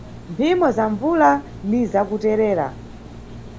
Mphimo za mbvula ni zakuterera.